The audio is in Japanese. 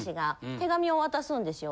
手紙を渡すんですよ。